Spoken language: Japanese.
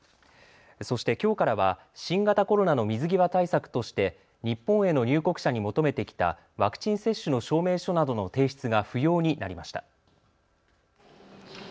そしてきょうからは新型コロナの水際対策として日本への入国者に求めてきたワクチン接種の証明書などの提出が不要になりました。